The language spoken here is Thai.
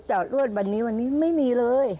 อดรวดวันนี้วันนี้ไม่มีเลย